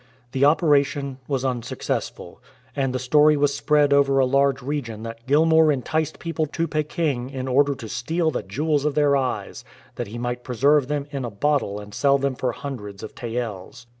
The operation was unsuccessful, and the story was spread over a large region that Gil mour enticed people to Peking in order to steal "the jewels of their eyes" that he might preserve them in a bottle and sell them for hundreds of taels.